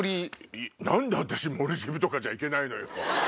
何で私モルディブとかじゃいけないのよ！